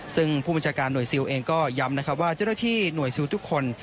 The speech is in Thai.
ซึ่งผู้บัญชาการหน่วยซิลเองก็ย้ำนะครับว่าเจ้าหน้าที่หน่วยซิลทุกคน